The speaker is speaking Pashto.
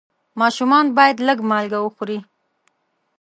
ماشومان باید لږ مالګه وخوري.